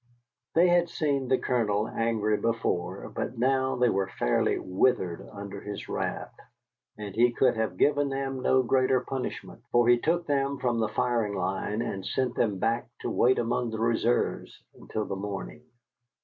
They had seen the Colonel angry before, but now they were fairly withered under his wrath. And he could have given them no greater punishment, for he took them from the firing line, and sent them back to wait among the reserves until the morning.